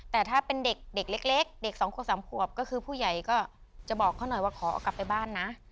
แต่ถ้าเป็นเด็กเล็กเด็กสองคนสามขวบก็คือผู้ใหญ่ก็จะบอกเขาหน่อยว่าขอเอากลับไปบ้านนะ